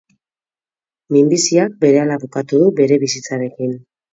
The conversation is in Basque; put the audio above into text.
Minbiziak berehala bukatu du bere bizitzarekin.